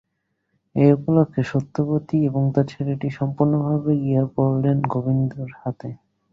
এই উপলক্ষে সত্যবতী এবং তার ছেলেটি সম্পূর্ণভাবে গিয়ে পড়লেন গোবিন্দর হাতে।